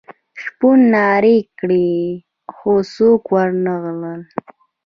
شپون نارې کړې خو څوک ور نه غلل.